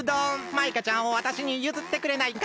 マイカちゃんをわたしにゆずってくれないか？